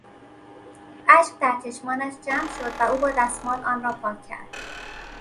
اشک در چشمانش جمع شد و او با دستمال آن را پاک کرد.